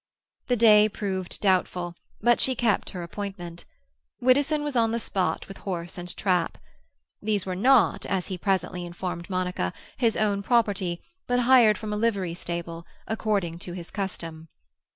The day proved doubtful, but she kept her appointment. Widdowson was on the spot with horse and trap. These were not, as he presently informed Monica, his own property, but hired from a livery stable, according to his custom.